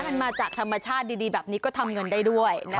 มันมาจากธรรมชาติดีแบบนี้ก็ทำเงินได้ด้วย